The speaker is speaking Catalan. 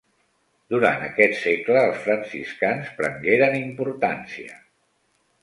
Durant aquest segle els franciscans prengueren importància.